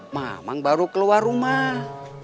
mamang baru keluar rumah